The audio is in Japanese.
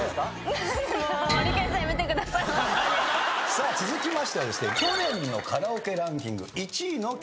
さあ続きましては去年のカラオケランキング１位の曲です。